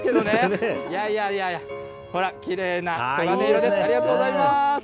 ありがとうございます。